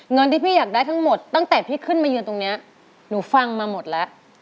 เงินที่พี่อยากได้ทั้งหมดตั้งแต่พี่ขึ้นมายืนตรงนี้หนูฟังมาหมดแล้ว